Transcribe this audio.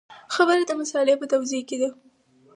خبره د مسألې په توضیح کې ده.